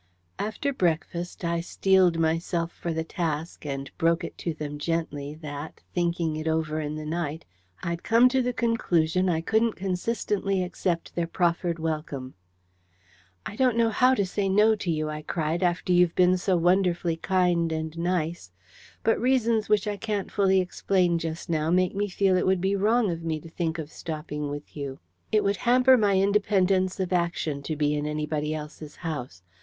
After breakfast, I steeled myself for the task, and broke it to them gently that, thinking it over in the night, I'd come to the conclusion I couldn't consistently accept their proffered welcome. "I don't know how to say NO to you," I cried, "after you've been so wonderfully kind and nice; but reasons which I can't fully explain just now make me feel it would be wrong of me to think of stopping with you. It would hamper my independence of action to be in anybody else's house.